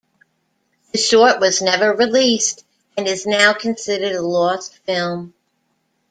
The short was never released and is now considered a lost film.